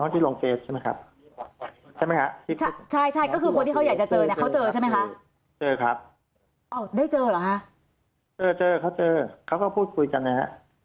จุดประกอบ๑๓คนเจอเขและวัลกายพูดค่อยกันนะครับ